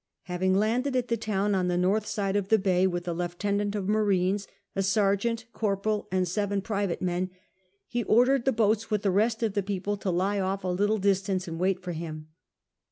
Having landed at the town on the north side of the bay with the lieutenant of marines, a sergeant, corporal, and seven private men, he ordered the boats with the rest of the people to lie off at a little distance, and wait for him.